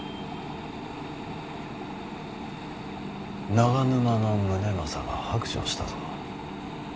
長沼宗政が白状したぞ。